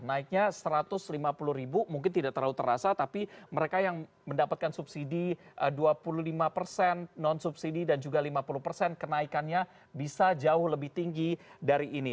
naiknya satu ratus lima puluh ribu mungkin tidak terlalu terasa tapi mereka yang mendapatkan subsidi dua puluh lima persen non subsidi dan juga lima puluh persen kenaikannya bisa jauh lebih tinggi dari ini